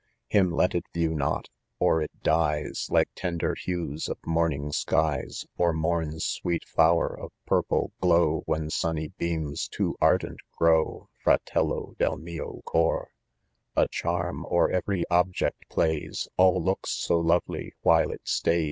Him let it view not, or it dies Like tender hues ofmorning skies, Or morn's sweet flower of purple glow, VI hen sunny beams too ardent grow, Freddie del mio cor. A charm o s er every object plays, All looks so lovely, while it stay